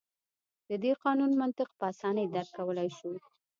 د دې قانون منطق په اسانۍ درک کولای شو.